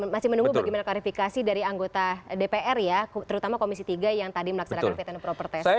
masih menunggu bagaimana klarifikasi dari anggota dpr ya terutama komisi tiga yang tadi melaksanakan peten propertes